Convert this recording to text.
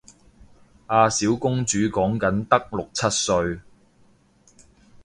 阿小公主講緊得六七歲